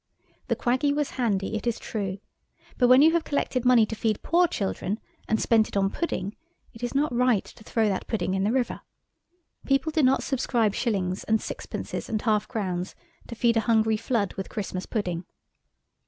The Quaggy was handy, it is true, but when you have collected money to feed poor children and spent it on pudding it is not right to throw that pudding in the river. People do not subscribe shillings and sixpences and half crowns to feed a hungry flood with Christmas pudding.